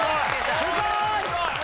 すごーい！